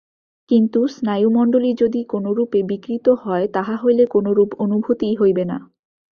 কিন্তু স্নায়ুমণ্ডলী যদি কোনরূপে বিকৃত হয়, তাহা হইলে কোনরূপ অনুভূতিই হইবে না।